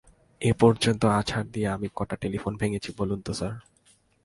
এই পর্যন্ত আছাড় দিয়ে আমি কটা টেলিফোন ভেঙেছি বলুন তো স্যার?